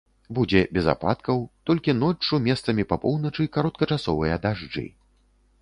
Будзе без ападкаў, толькі ноччу месцамі па поўначы кароткачасовыя дажджы.